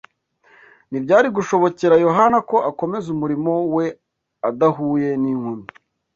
Ntibyari gushobokera Yohana ko akomeza umurimo we adahuye n’inkomyi